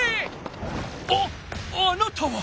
ああなたは！